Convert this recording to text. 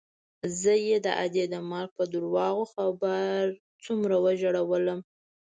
زه يې د ادې د مرګ په درواغ خبر څومره وژړولوم.